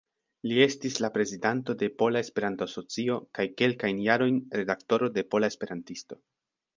Li estis la prezidanto de Pola Esperanto-Asocio kaj kelkajn jarojn redaktoro de Pola Esperantisto.